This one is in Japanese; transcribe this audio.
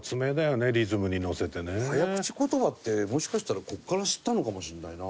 早口ことばってもしかしたらここから知ったのかもしれないな。